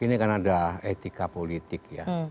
ini kan ada etika politik ya